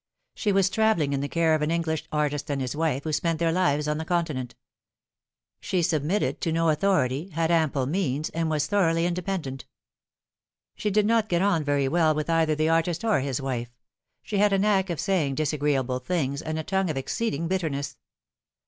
She was travelling in the care of an English artist and his wife, who spent their lives on the Continent. She submitted to no authority, had ample means, and was thoroughly independent. She did not get on very well with either the artist or his wife. She had a knack of saying disagreeable things, and a tongue of exceeding bitterness.